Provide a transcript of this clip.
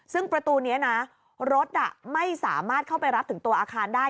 ซึ่งประตูนี้นะรถไม่สามารถเข้าไปรับถึงตัวอาคารได้